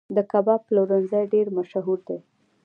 د کباب پلورنځي ډیر مشهور دي